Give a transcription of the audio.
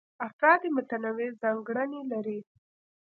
افراد متنوع ځانګړنې لري.